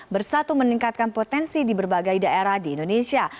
bersatu meningkatkan potensi di berbagai daerah di indonesia